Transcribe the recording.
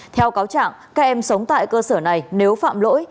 theo cáo trạng các em sống tại cơ sở này nếu phạm lỗi